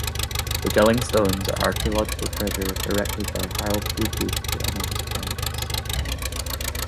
The Jelling stones are archaeological treasures erected by Harald Bluetooth to honour his parents.